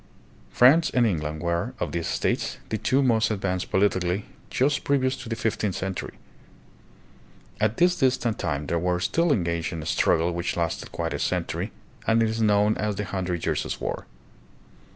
France and England were, of these states, the two most advanced politically just previous to the fifteenth century. At this distant time they were still engaged in a struggle which lasted quite a century and is known as the Hundred Years' War.